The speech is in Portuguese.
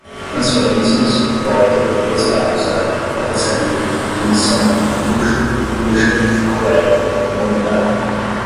transferências, volta, desparafusar, tapeçaria, admissão, tucho, bucha, arruela, bomba d'água